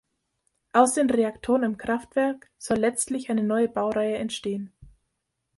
Aus den Reaktoren im Kraftwerk soll letztlich eine neue Baureihe entstehen.